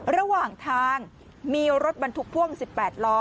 ระหว่างทางมีรถบรรทุกพ่วง๑๘ล้อ